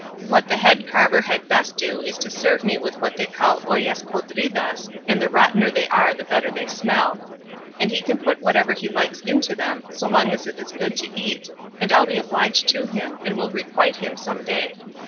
What the head carver had best do is to serve me with what they call ollas podridas (and the rottener they are the better they smell); and he can put whatever he likes into them, so long as it is good to eat, and I'll be obliged to him, and will requite him some day.